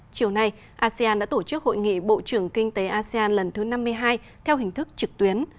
chiều nay asean đã tổ chức hội nghị bộ trưởng kinh tế asean lần thứ năm mươi hai theo hình thức trực tuyến